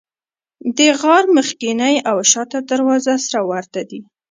د غار مخکینۍ او شاته دروازه سره ورته دي.